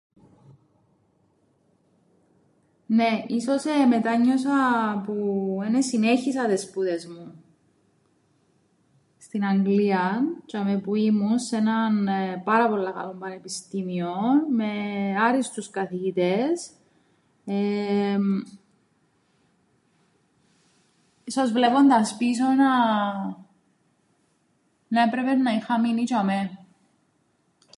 Νναι, ίσως εμετάνιωσα που εν εσυνέχισα τες σπουδές μου στην Αγγλίαν τζ̆ειαμαί που ήμουν σε έναν πάρα πολλά καλόν πανεπιστήμιον με άριστους καθηγητές, ίσως βλέποντας πίσω να έπρεπε να είχα μείνει τζ̆ειαμαί.